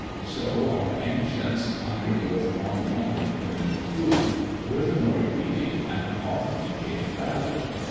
So our ancients, hungry with long wandering for new food, were the more greedy and often gave battle.